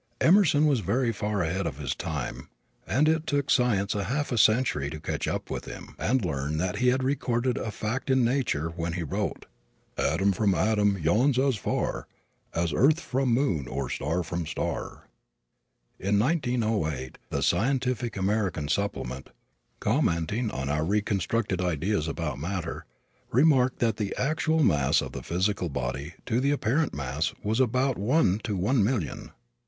Emerson was very far ahead of his time and it took science a half century to catch up with him and learn that he had recorded a fact in nature when he wrote: Atom from atom yawns as far As earth from moon, or star from star. In 1908 the Scientific American Supplement, commenting on our reconstructed ideas about matter, remarked that the actual mass of the physical body to the apparent mass was about one to one million!